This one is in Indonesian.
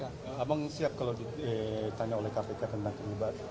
ya abang siap kalau ditanya oleh kpk tentang terlibat